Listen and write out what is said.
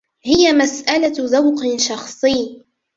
هي مسألة ذوق شخصي.